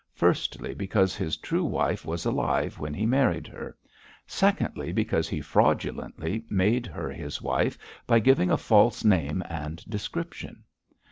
Firstly, because his true wife was alive when he married her. Secondly, because he fraudulently made her his wife by giving a false name and description.